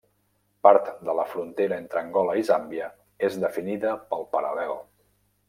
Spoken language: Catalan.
Part de la frontera entre Angola i Zàmbia és definida pel paral·lel.